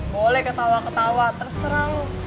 boleh ketawa ketawa terserah lo